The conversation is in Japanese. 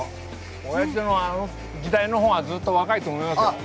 おやじのあの時代の方が若いと思います。